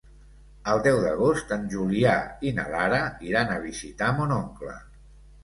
El deu d'agost en Julià i na Lara iran a visitar mon oncle.